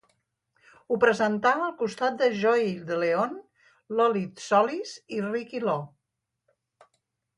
Ho presenta al costat de Joey de Leon, Lolit Solis, i Ricky Lo.